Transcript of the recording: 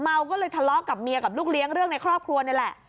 เมาก็เลยทะเลาะกับเมียกับลูกเลี้ยงเรื่องในครอบครัวนี่แหละ